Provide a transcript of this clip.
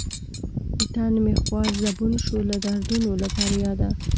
تن مې خوار زبون شو لۀ دردونو له فرياده